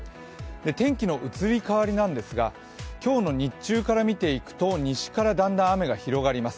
天気の移り変わりなんですが、今日の日中から見ていくと、西からだんだん雨が広がります。